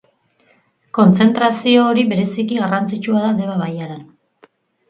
Kontzentrazio hori bereziki garrantzitsua da Deba bailaran.